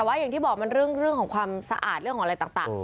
แต่ว่าอย่างที่บอกมันเรื่องของความสะอาดเรื่องของอะไรต่าง